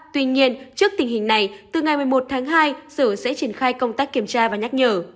tuy nhiên trước tình hình này từ ngày một mươi một tháng hai sở sẽ triển khai công tác kiểm tra và nhắc nhở